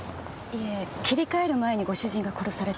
いえ切り替える前にご主人が殺されて。